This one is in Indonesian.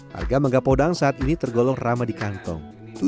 harga mangga podang saat ini tergolong ramah di kantong